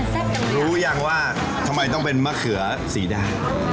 รู้ยังว่าทำไมต้องเป็นมะเขือสีแดง